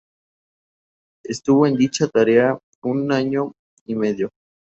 Estuvo en dicha tarea una año y medio.